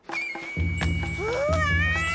うわ！